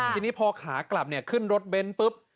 ทีนี้พอขากลับขึ้นรถเบ้นปุ๊บ